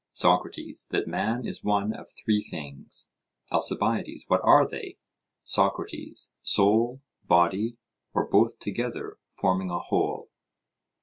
SOCRATES: That man is one of three things. ALCIBIADES: What are they? SOCRATES: Soul, body, or both together forming a whole.